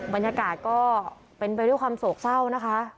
บรรยากาศก็เป็นไปด้วยความโศกเศร้านะคะ